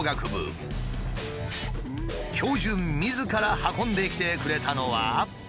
教授みずから運んできてくれたのは。